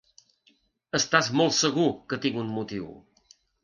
Estàs molt segur que tinc un motiu.